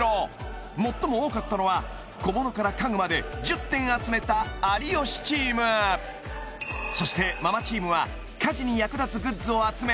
最も多かったのは小物から家具まで１０点集めた有吉チームそしてママチームは家事に役立つグッズを集め